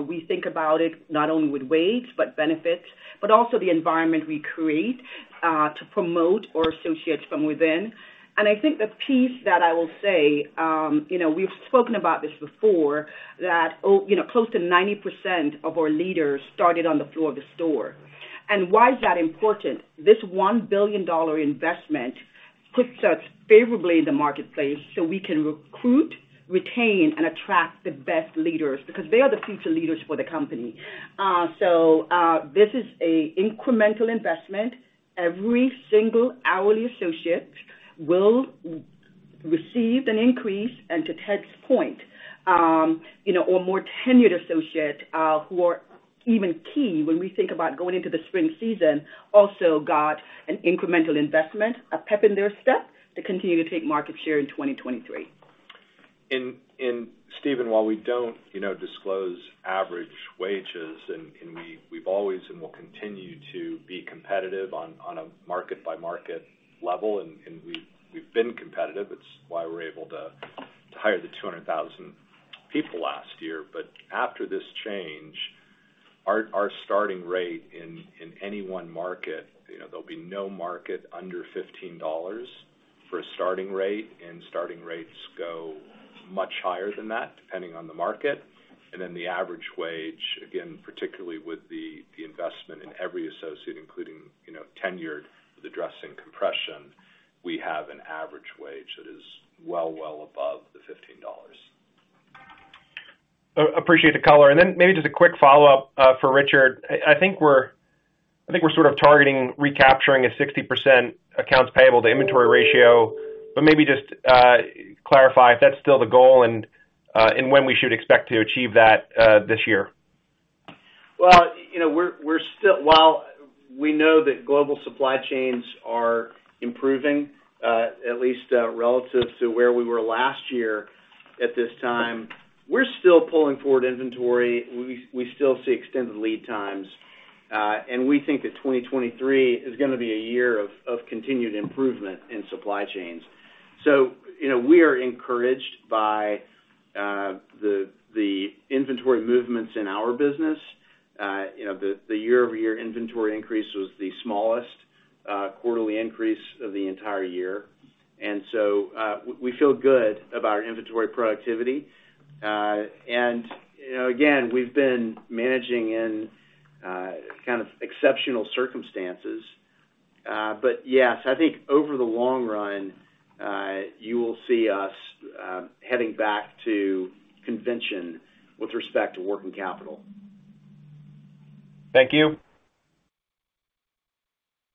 We think about it not only with wage, but benefits, but also the environment we create, to promote our associates from within. I think the piece that I will say, you know, we've spoken about this before, that, you know, close to 90% of our leaders started on the floor of the store. Why is that important? This $1 billion investment puts us favorably in the marketplace so we can recruit, retain, and attract the best leaders because they are the future leaders for the company. This is a incremental investment. Every single hourly associate will receive an increase. To Ted's point, you know, our more tenured associate, who are even key when we think about going into the spring season, also got an incremental investment, a pep in their step to continue to take market share in 2023. Steven, while we don't, you know, disclose average wages, and we've always and will continue to be competitive on a market-by-market level, and we've been competitive, it's why we're able to hire the 200,000 people last year. After this change, our starting rate in any one market, you know, there'll be no market under $15 for a starting rate, and starting rates go much higher than that, depending on the market. The average wage, again, particularly with the investment in every associate, including, you know, tenured with addressing compression, we have an average wage that is well above the $15. Appreciate the color. Maybe just a quick follow-up, for Richard. I think we're sort of targeting recapturing a 60% accounts payable to inventory ratio, maybe just clarify if that's still the goal and when we should expect to achieve that this year. You know, we're still While we know that global supply chains are improving, at least relative to where we were last year at this time, we're still pulling forward inventory. We still see extended lead times. We think that 2023 is gonna be a year of continued improvement in supply chains. You know, we are encouraged by the inventory movements in our business. You know, the year-over-year inventory increase was the smallest quarterly increase of the entire year. We feel good about our inventory productivity. You know, again, we've been managing in kind of exceptional circumstances. Yes, I think over the long run, you will see us heading back to convention with respect to working capital. Thank you.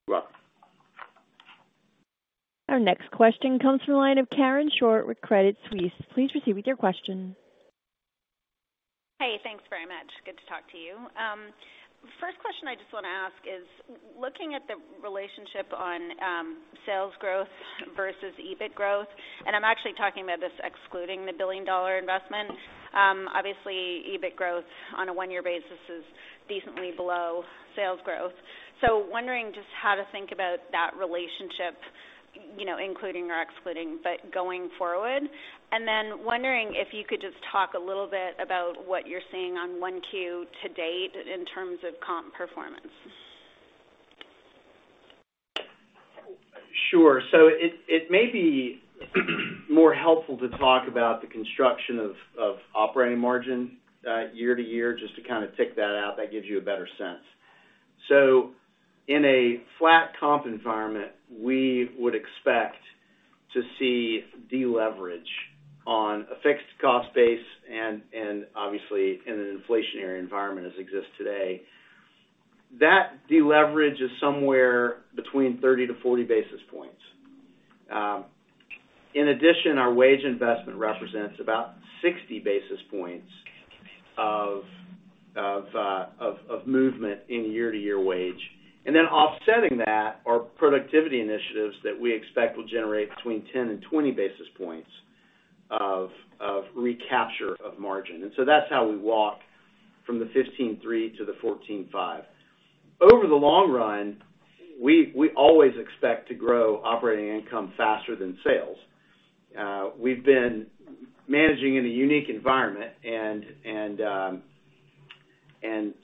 You're welcome. Our next question comes from the line of Karen Short with Credit Suisse. Please proceed with your question. Hey, thanks very much. Good to talk to you. First question I just wanna ask is, looking at the relationship on sales growth versus EBIT growth. I'm actually talking about this excluding the billion-dollar investment. Obviously, EBIT growth on a one-year basis is decently below sales growth. Wondering just how to think about that relationship? You know, including or excluding, but going forward. Wondering if you could just talk a little bit about what you're seeing on 1Q to date in terms of comp performance? Sure. It may be more helpful to talk about the construction of operating margin year-to-year just to kind of take that out, that gives you a better sense. In a flat comp environment, we would expect to see deleverage on a fixed cost base and obviously in an inflationary environment as exists today. That deleverage is somewhere between 30 to 40 basis points. In addition, our wage investment represents about 60 basis points of movement in year-to-year wage. Offsetting that are productivity initiatives that we expect will generate between 10 and 20 basis points of recapture of margin. That's how we walk from the 15.3% to the 14.5%. Over the long run, we always expect to grow operating income faster than sales. We've been managing in a unique environment and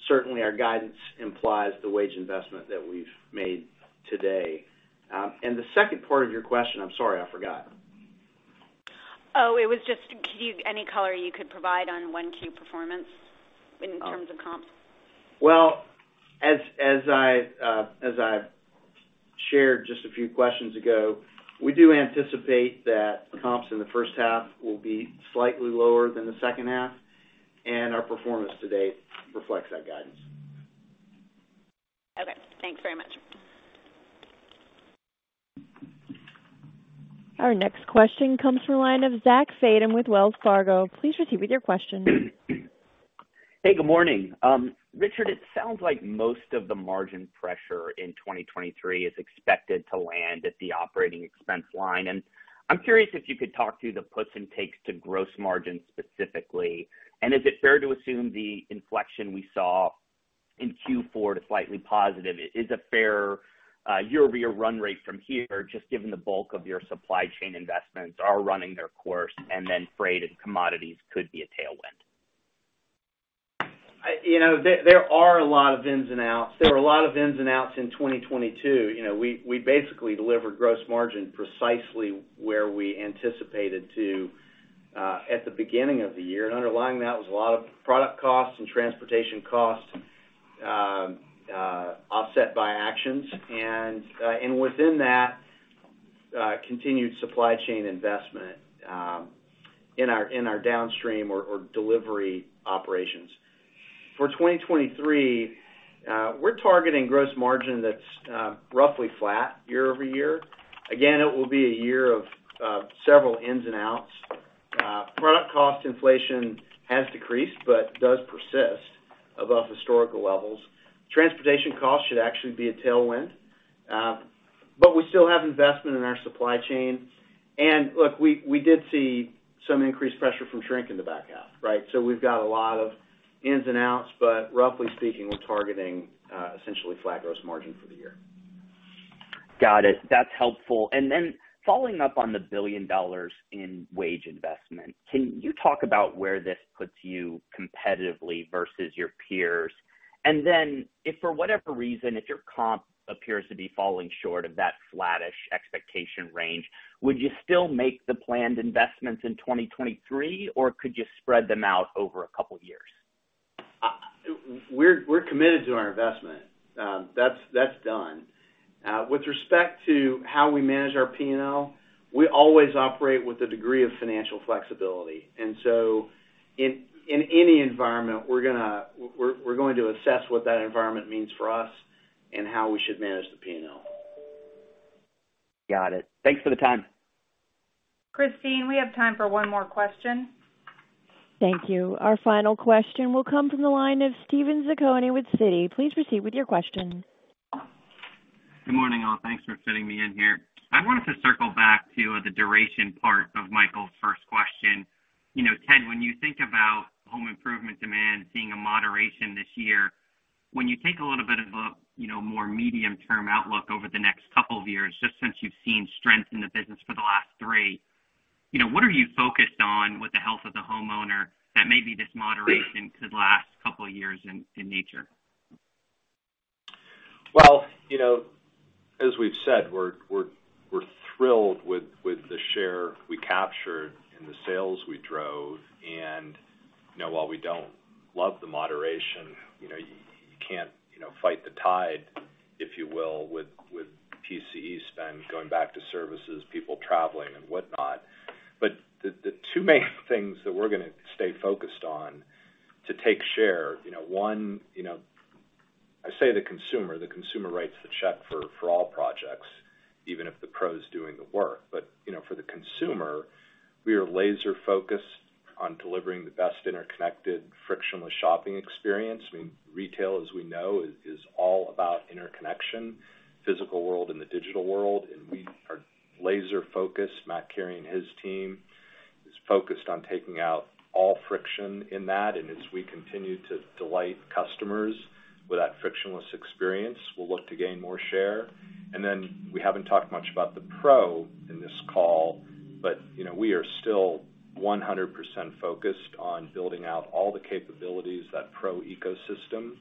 certainly our guidance implies the wage investment that we've made today. The second part of your question, I'm sorry, I forgot. It was just any color you could provide on 1Q performance in terms of comps. As I've shared just a few questions ago, we do anticipate that comps in the first half will be slightly lower than the second half, and our performance to date reflects that guidance. Okay, thanks very much. Our next question comes from the line of Zachary Fadem with Wells Fargo. Please proceed with your question. Hey, good morning. Richard, it sounds like most of the margin pressure in 2023 is expected to land at the operating expense line. I'm curious if you could talk through the puts and takes to gross margin specifically. Is it fair to assume the inflection we saw in Q4 to slightly positive is a fair, year-over-year run rate from here, just given the bulk of your supply chain investments are running their course and then freight and commodities could be a tailwind? You know, there are a lot of ins and outs. There were a lot of ins and outs in 2022. You know, we basically delivered gross margin precisely where we anticipated to at the beginning of the year. Underlying that was a lot of product costs and transportation costs, offset by actions. Within that, continued supply chain investment in our downstream or delivery operations. For 2023, we're targeting gross margin that's roughly flat year-over-year. Again, it will be a year of several ins and outs. Product cost inflation has decreased, does persist above historical levels. Transportation costs should actually be a tailwind. We still have investment in our supply chain. Look, we did see some increased pressure from shrink in the back half, right? We've got a lot of ins and outs, but roughly speaking, we're targeting, essentially flat gross margin for the year. Got it. That's helpful. Following up on the $1 billion in wage investment, can you talk about where this puts you competitively versus your peers? If for whatever reason, if your comp appears to be falling short of that flattish expectation range, would you still make the planned investments in 2023, or could you spread them out over a couple of years? We're committed to our investment. That's done. With respect to how we manage our P&L, we always operate with a degree of financial flexibility. In, in any environment, we're going to assess what that environment means for us and how we should manage the P&L. Got it. Thanks for the time. Christine, we have time for one more question. Thank you. Our final question will come from the line of Steven Zaccone with Citi. Please proceed with your question. Good morning, all. Thanks for fitting me in here. I wanted to circle back to the duration part of Michael's first question. You know, Ted, when you think about home improvement demand seeing a moderation this year, when you take a little bit of a, you know, more medium-term outlook over the next couple of years, just since you've seen strength in the business for the last three, you know, what are you focused on with the health of the homeowner that maybe this moderation could last a couple of years in nature? Well, you know, as we've said, we're thrilled with the share we captured and the sales we drove. You know, while we don't love the moderation, you know, you can't, you know, fight the tide, if you will, with PCE spend going back to services, people traveling and whatnot. The two main things that we're gonna stay focused on to take share, you know, one, you know, I say the consumer, the consumer writes the check for all projects, even if the pro is doing the work. You know, for the consumer, we are laser focused on delivering the best interconnected, frictionless shopping experience. I mean, retail, as we know, is all about interconnection, physical world and the digital world. We are laser focused. Matt Carey and his team is focused on taking out all friction in that. As we continue to delight customers with that frictionless experience, we'll look to gain more share. We haven't talked much about the pro in this call, but, you know, we are still 100% focused on building out all the capabilities, that pro ecosystem that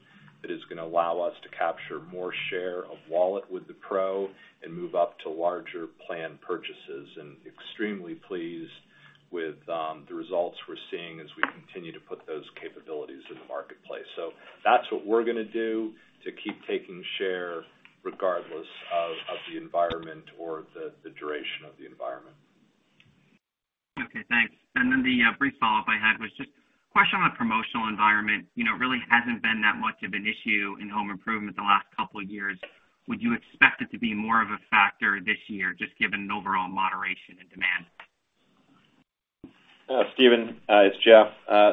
is gonna allow us to capture more share of wallet with the pro and move up to larger plan purchases, and extremely pleased with the results we're seeing as we continue to put those capabilities in the marketplace. That's what we're gonna do to keep taking share regardless of the environment or the duration of the environment. Okay, thanks. Then the brief follow-up I had was just a question on the promotional environment. You know, it really hasn't been that much of an issue in home improvement the last couple of years. Would you expect it to be more of a factor this year, just given overall moderation and demand? Steven, it's Jeff.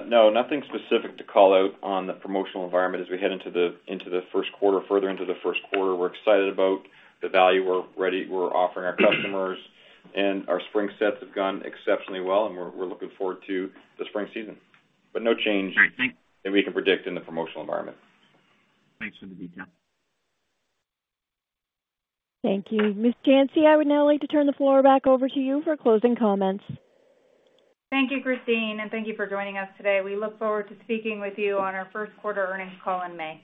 No, nothing specific to call out on the promotional environment as we head into the first quarter, further into the first quarter. We're excited about the value we're offering our customers. Our spring sets have gone exceptionally well. We're looking forward to the spring season. No change. All right. that we can predict in the promotional environment. Thanks for the detail. Thank you. Ms. Janci, I would now like to turn the floor back over to you for closing comments. Thank you, Christine, and thank you for joining us today. We look forward to speaking with you on our first quarter earnings call in May.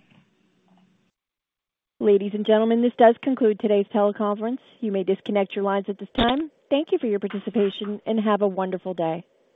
Ladies and gentlemen, this does conclude today's teleconference. You may disconnect your lines at this time. Thank you for your participation, and have a wonderful day.